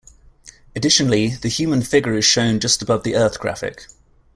Additionally, the human figure is shown just above the Earth graphic.